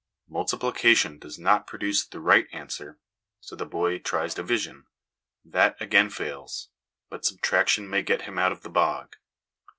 Multiplication does not produce the ' right answer/ so the boy tries division; that again fails, but subtraction may get him out of the bog.